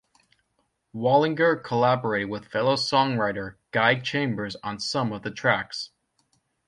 Wallinger collaborated with fellow songwriter Guy Chambers on some of the tracks.